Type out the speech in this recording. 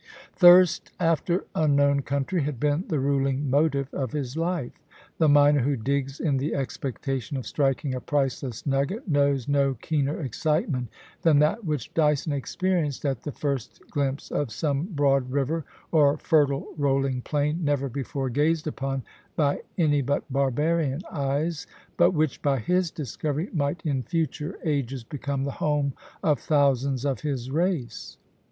Thirst after unknown country had been the ruling motive of his life. The miner who digs in the expectation of striking a priceless nugget knows no keener excitement than AN A USTRAUAN EXPLORER. 69 that which Dyson experienced at the first glimpse of some broad river or fertile rolling plain, never before gazed upon by any but barbarian eyes, but which, by his discovery, might in future ages become the home of thousands of his race.